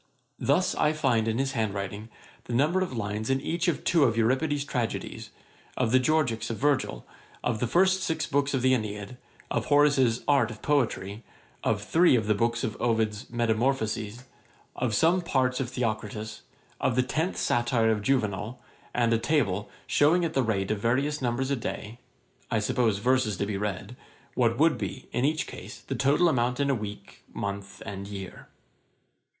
Thus I find in his hand writing the number of lines in each of two of Euripides' Tragedies, of the Georgicks of Virgil, of the first six books of the Æneid, of Horace's Art of Poetry, of three of the books of Ovid's Metamorphosis, of some parts of Theocritus, and of the tenth Satire of Juvenal; and a table, shewing at the rate of various numbers a day (I suppose verses to be read), what would be, in each case, the total amount in a week, month, and year.